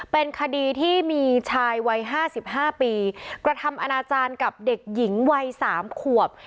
เป็นคดีที่มีชายวัย๕๕ปีกระทำอนาจารย์กับเด็กหญิงวัย๓ขวบ